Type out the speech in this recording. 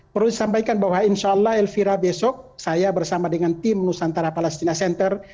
perlu disampaikan bahwa insya allah elvira besok saya bersama dengan tim nusantara palestina center